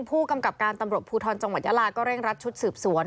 ผู้กำกับการตำรวจภูทรจังหวัดยาลาก็เร่งรัดชุดสืบสวน